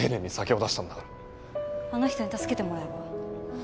あの人に助けてもらえば？